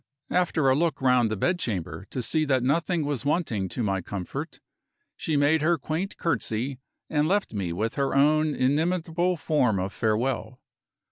After a look round the bedchamber to see that nothing was wanting to my comfort, she made her quaint curtsey, and left me with her own inimitable form of farewell.